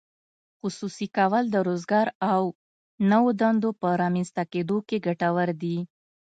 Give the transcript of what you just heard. خصوصي کول د روزګار او نوو دندو په رامینځته کیدو کې ګټور دي.